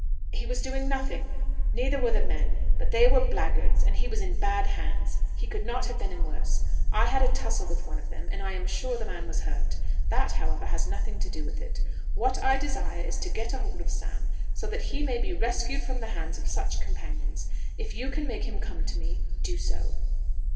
"He was doing nothing; neither were the men. But they were blackguards, and he was in bad hands. He could not have been in worse. I had a tussle with one of them, and I am sure the man was hurt. That, however, has nothing to do with it. What I desire is to get a hold of Sam, so that he may be rescued from the hands of such companions. If you can make him come to me, do so."